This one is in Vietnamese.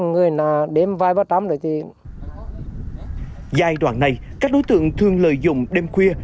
giai đoạn này các đối tượng thường lợi dụng đêm khuya